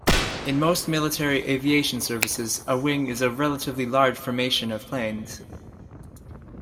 In most military aviation services, a wing is a relatively large formation of planes.